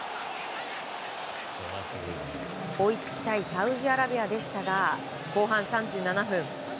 追いつきたいサウジアラビアでしたが後半３７分。